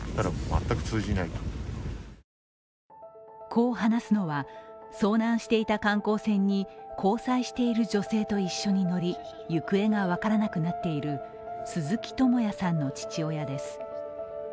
こう話すのは遭難していた観光船に交際している女性と一緒に乗り行方が分からなくなっている鈴木智也さんの父親です。